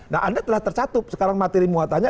nah anda telah tercatup sekarang materi muatannya